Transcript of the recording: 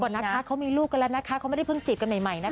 นะคะเขามีลูกกันแล้วนะคะเขาไม่ได้เพิ่งจีบกันใหม่นะคะ